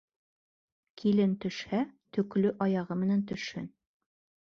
Килен төшһә, төклө аяғы менән төшһөн.